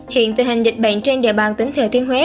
hiện tình hình dịch bệnh trên địa bàn tỉnh thừa thiên huế